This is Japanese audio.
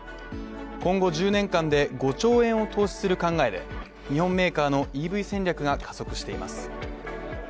今後１０年間で５兆円を投資する考えで日本メーカーのＥＶ戦略が加速しています。